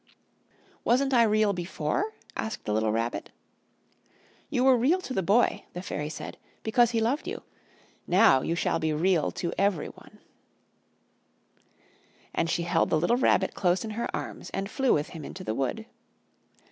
"Wasn't I Real before?" asked the little Rabbit. "You were Real to the Boy," the Fairy said, "because he loved you. Now you shall be Real to every one." The Fairy Flower And she held the little Rabbit close in her arms and flew with him into the wood.